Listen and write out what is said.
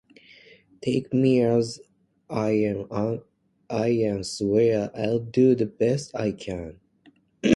Take me as I am swear I'll do the best I can